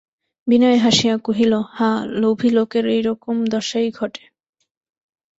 বিনয় হাসিয়া কহিল, হাঁ, লোভী লোকের এইরকম দশাই ঘটে।